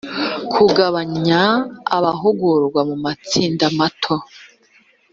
kugabanya abahugurwa mu matsinda mato